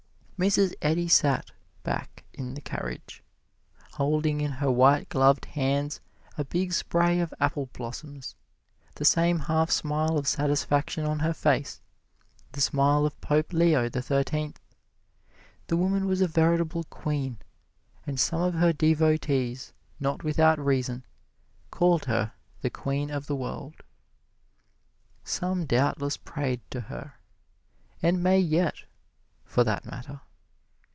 Mrs. Eddy sat back in the carriage, holding in her white gloved hands a big spray of apple blossoms, the same half smile of satisfaction on her face the smile of Pope Leo the Thirteenth. The woman was a veritable queen, and some of her devotees, not without reason, called her the Queen of the World. Some doubtless prayed to her and may yet, for that matter.